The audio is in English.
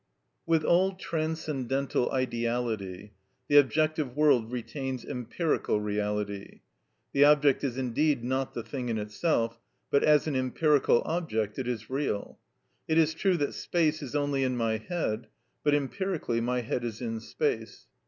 With all transcendental ideality the objective world retains empirical reality; the object is indeed not the thing in itself, but as an empirical object it is real. It is true that space is only in my head; but empirically my head is in space.